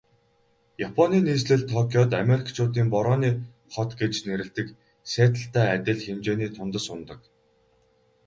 Японы нийслэл Токиод Америкчуудын Борооны хот гэж нэрлэдэг Сиэтллтэй адил хэмжээний тунадас унадаг.